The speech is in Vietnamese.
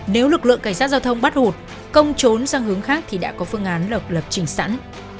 nếu lực lượng cảnh sát giao thông bắt hụt công trốn sang hướng khác thì đã có phương án lập lập trình sẵn